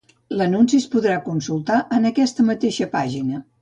L'anunci es podrà consultar en aquesta mateixa pàgina.